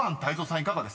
いかがですか？］